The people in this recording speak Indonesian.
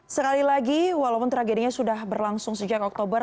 sekali lagi walaupun tragedinya sudah berlangsung sejak oktober